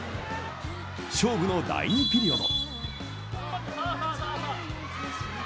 勝負の第２ピリオド。